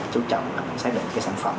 chú trọng xác định cái sản phẩm